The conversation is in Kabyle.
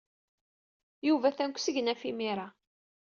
Yuba atan deg usegnaf imir-a.